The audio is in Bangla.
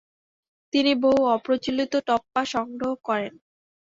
তিনি বহু অপ্রচলিত টপ্পা সংগ্রহ করেন।